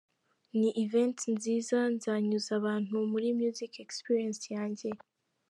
Ni event nziza, nzanyuza abantu muri music experience yanjye.